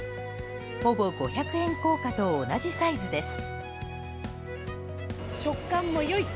ほぼ五百円硬貨と同じサイズです。